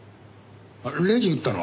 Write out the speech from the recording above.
レジ打ったのは？